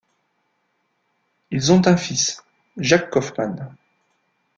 Ils ont un fils, Jacques Kaufmann.